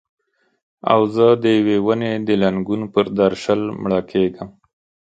او زه د یوې ونې د لنګون پر درشل مړه کیږم